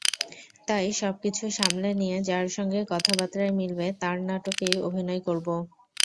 তাই সবকিছু সামলে নিয়ে যাঁর সঙ্গে কথাবার্তায় মিলবে, তাঁর নাটকেই অভিনয় করব।